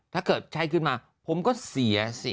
ถ้าเกิดใช่ขึ้นมาผมก็เสียสิ